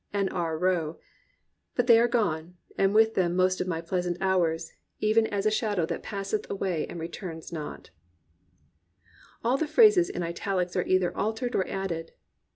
and R. Roe; but they are gone, and with them most of my pleasant hours, even as a shadow that passeth away and returns not" All the phrases in italics are either altered or added.